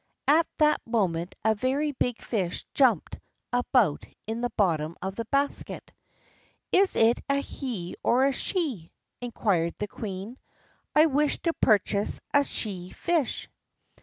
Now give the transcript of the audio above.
At that moment a very big fish jumped about in the bottom of the basket. "Is it a he or a she?" inquired the queen. "I wish to purchase a she fish."